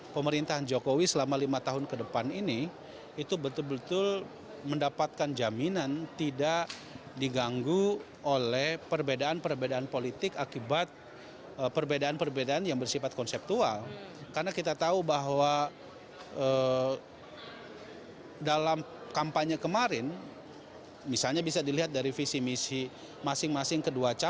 pertemuan ini sudah direncanakan lama sejak terakhir kali mereka bertemu pada asia tenggara